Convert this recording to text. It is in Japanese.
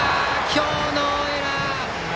今日、ノーエラー！